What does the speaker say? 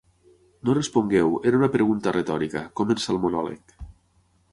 No respongueu, era una pregunta retòrica, comença el monòleg.